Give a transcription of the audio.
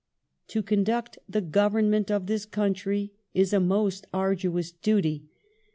"To conduct the Government of this country is a most arduous duty.